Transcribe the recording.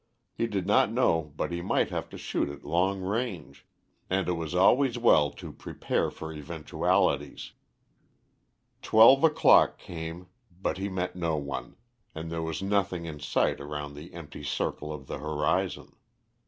He did not know but he might have to shoot at long range, and it was always well to prepare for eventualities. Twelve o'clock came, but he met no one, and there was nothing in sight around the empty circle of the horizon.